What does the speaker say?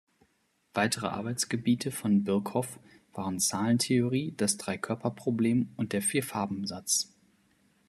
Weitere Arbeitsgebiete von Birkhoff waren Zahlentheorie, das Dreikörperproblem und der Vier-Farben-Satz.